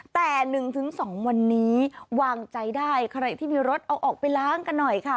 แต่๑๒วันนี้วางใจได้ใครที่มีรถเอาออกไปล้างกันหน่อยค่ะ